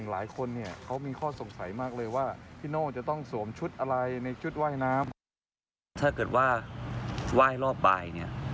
ถ้าเกิดว่าว่ายรอบบ่ายเนี่ย